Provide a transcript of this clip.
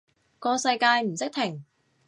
個世界唔識停